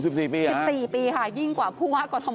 อ๋อ๑๔ปีเหรอคะ๑๔ปีค่ะยิ่งกว่าผู้ว่ากฎธม